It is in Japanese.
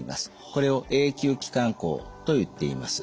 これを永久気管孔といっています。